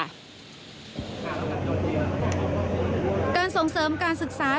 การส่งเสริมการศึกษา